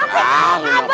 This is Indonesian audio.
lu tega banget